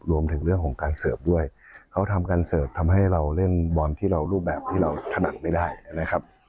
รวมถึงเรื่องของการเสิร์ฟด้วยเขาทำการเสิร์ฟทำให้เราเล่นบอลที่เรารูปแบบที่เราถนัดไม่ได้นะครับ